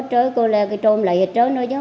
rồi cô lè cái trộm lấy hết trơn nữa